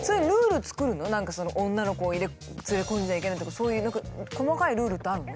何か女の子を連れ込んじゃいけないとかそういう何か細かいルールってあるの？